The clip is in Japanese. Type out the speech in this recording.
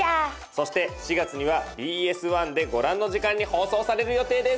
そして４月にはＢＳ１でご覧の時間に放送される予定です。